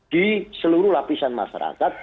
di seluruh lapisan masyarakat